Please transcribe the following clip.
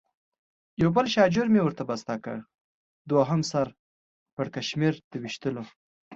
یو بل شاژور مې ورته بسته کړ، دوهم سر پړکمشر د وېشتلو.